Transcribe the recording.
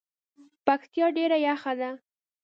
پکتیا ډیره یخه ده